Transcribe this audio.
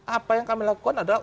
apa yang kami lakukan adalah